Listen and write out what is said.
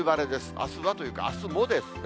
あすはというか、あすもですね。